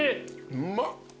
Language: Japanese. うまっ。